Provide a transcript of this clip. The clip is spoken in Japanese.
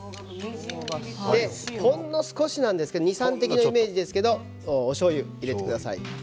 ほんの少しなんですけど２、３滴のイメージですけどおしょうゆを入れてください。